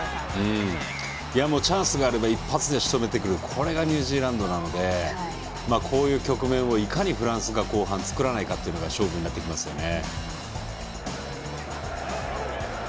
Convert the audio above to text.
チャンスがあれば一発でしとめてくるこれがニュージーランドなのでこういう局面をいかにフランスが後半作らないかが勝負になってきますよね。